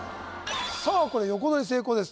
さあこれ横取り成功です